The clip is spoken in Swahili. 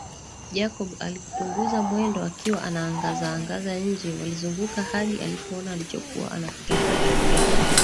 Jacob alipunguza mwendo akiwa anaangaza angaza nje walizunguka hadi alipoona alichokuwa anakitafuta